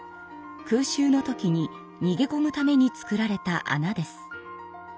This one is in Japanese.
空襲の時ににげこむためにつくられたあなです。